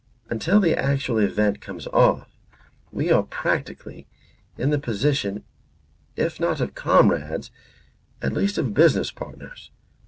Until the actual event comes off we are practically in the position if not of comrades, at least of business partners.